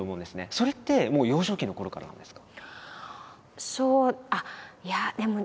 それってもう幼少期のころからなんですか？